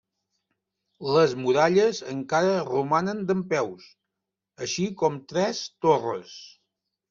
Les muralles encara romanen dempeus, així com tres torres.